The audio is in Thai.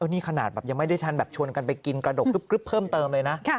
นี่ขนาดแบบยังไม่ได้ทันแบบชวนกันไปกินกระดกรึ๊บเพิ่มเติมเลยนะ